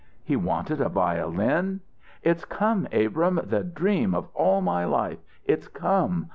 "He wanted a violin it's come, Abrahm! The dream of all my life it's come!